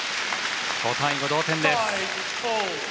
５対５の同点です。